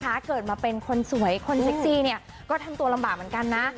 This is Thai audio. ถ้าเกิดมาเป็นคนสวยคนเซ็กซี่เนี่ยก็ทำตัวลำบากเหมือนกันนะ